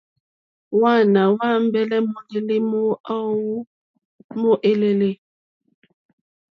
Hwàana hwa ambɛlɛ mòlèli mo awu mo èlèlè.